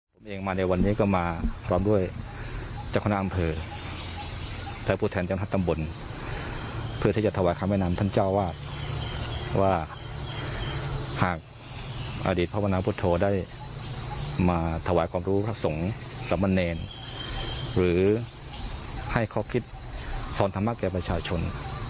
สำเนินหรือให้เขาพิษสอนธรรมะแก่ประชาชน